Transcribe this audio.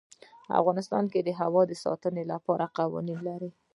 افغانستان د هوا د ساتنې لپاره قوانین لري.